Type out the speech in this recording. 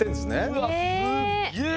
うわすっげえ！